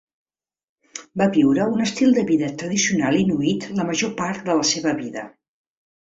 Va viure un estil de vida tradicional Inuit la major part de la seva vida.